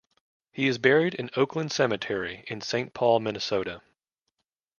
He is buried in Oakland Cemetery in Saint Paul, Minnesota.